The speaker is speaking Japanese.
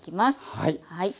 はい。